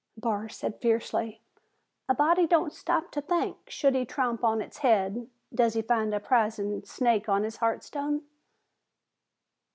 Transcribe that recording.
Barr said fiercely, "A body don't stop to think should he tromp on its haid does he find a pizen snake on his h'arthstone!"